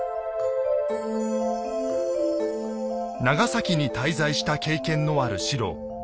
長崎に滞在した経験のある四郎。